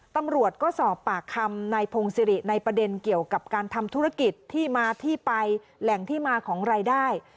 ตำรวจก็สอบปากคำนายพงศิริในประเด็นเกี่ยวกับการทำธุรกิจที่มาที่ไปแหล่งที่มาของรายได้